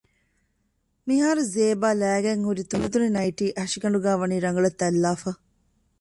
މިހާރު ޒޭބާ ލައިގެންހުރި ތުނިތުނި ނައިޓީ ހަށިގަނޑުގައި ވަނީ ރަނގަޅަށް ތަތްލާފަ